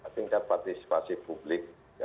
tingkat partisipasi publik